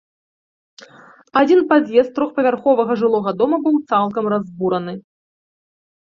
Адзін пад'езд трохпавярховага жылога дома быў цалкам разбураны.